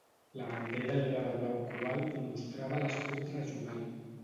La bandera era de blau cobalt i mostrava l'escut regional.